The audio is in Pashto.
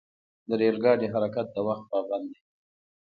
د ریل ګاډي حرکت د وخت پابند دی.